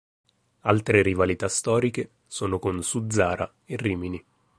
Altre rivalità storiche sono con Suzzara, e Rimini.